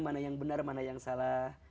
mana yang benar mana yang salah